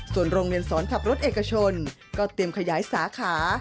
ส่วนโรงเรียนสอนขับรถเอกชนก็เตรียมขยายสาขา